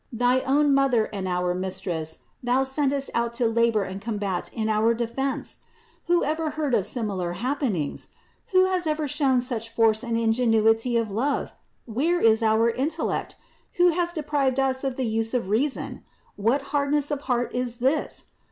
Thy own Mother and our Mistress Thou sendest out to labor and combat in our defense! Who ever heard of similar happenings? Who has ever shown such force and ingenuity of love? Where is our intellect ? Who has deprived us of the use of reason? What hardness of heart is this?